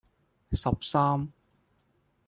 十三